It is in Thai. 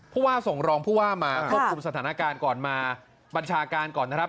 ผู้ว่าส่งรองผู้ว่ามาควบคุมสถานการณ์ก่อนมาบัญชาการก่อนนะครับ